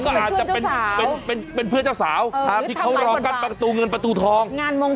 ก็อาจจะเป็นเพื่อนเจ้าสาวที่เขารอกั้นประตูเงินประตูทอง